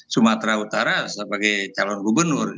ya di sumatera utara sebagai calon gubernur